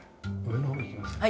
上の方に行きますか？